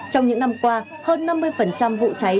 trong những năm qua hơn năm mươi vụ cháy